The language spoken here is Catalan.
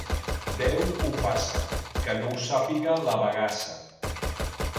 Déu ho faça, que no ho sàpiga la bagassa.